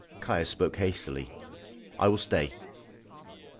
Caius spoke hastily: "I will stay."